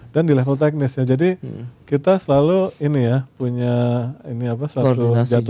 dan di level teknis ya jadi kita selalu ini ya punya ini apa satu jadwal yang rutin